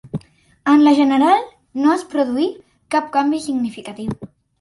En la general no es produí cap canvi significatiu.